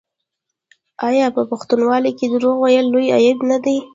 آیا په پښتونولۍ کې دروغ ویل لوی عیب نه دی؟